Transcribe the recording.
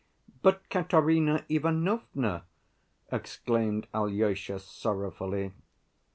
"But Katerina Ivanovna!" exclaimed Alyosha sorrowfully.